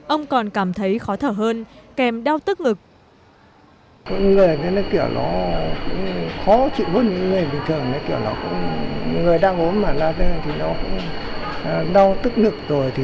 ông còn cảm thấy khó thở hơn kèm đau tức ngực